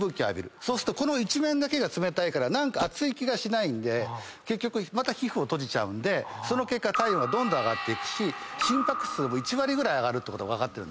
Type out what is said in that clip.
そうするとこの一面だけが冷たいから暑い気がしないんで結局また皮膚を閉じちゃうんでその結果体温がどんどん上がっていくし心拍数も１割ぐらい上がると分かってる。